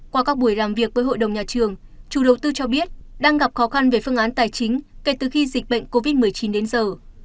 qua các buổi làm việc với hội đồng nhà trường chủ đầu tư cho biết đang gặp khó khăn về phương án tài chính kể từ khi dịch bệnh covid một mươi chín đến giờ